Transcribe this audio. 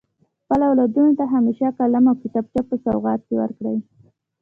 خپلو اولادونو ته همیشه قلم او کتابچه په سوغات کي ورکړئ.